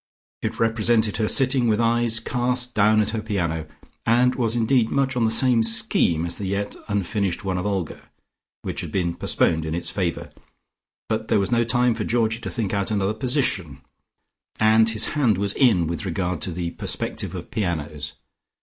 It represented her sitting, with eyes cast down at her piano, and was indeed much on the same scheme as the yet unfinished one of Olga, which had been postponed in its favour, but there was no time for Georgie to think out another position, and his hand was in with regard to the perspective of pianos.